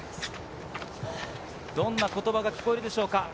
どんな言葉が聞こえるでしょうか。